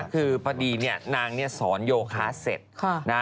คือพอดีเนี่ยนางสอนโยคะเสร็จ